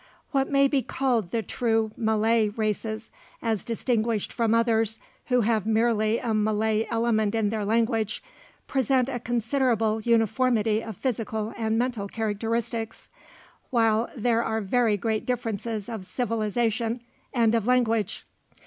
What may be called the true Malay races, as distinguished from others who have merely a Malay element in their language, present a considerable uniformity of physical and mental characteristics, while there are very great differences of civilization and of language.